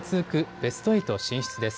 ベスト８進出です。